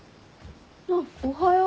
あっおはよう。